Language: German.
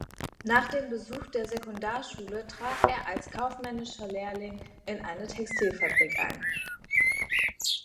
Nach dem Besuch der Sekundarschule trat er als kaufmännischer Lehrling in eine Textilfabrik ein.